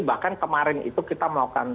bahkan kemarin itu kita melakukan